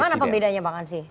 bagaimana pembedanya bang ansi